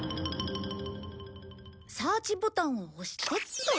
サーチボタンを押してっと。